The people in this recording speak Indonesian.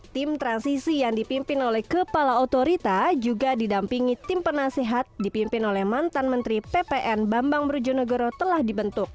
tim transisi yang dipimpin oleh kepala otorita juga didampingi tim penasehat dipimpin oleh mantan menteri ppn bambang brojonegoro telah dibentuk